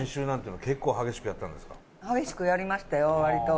激しくやりましたよ割と。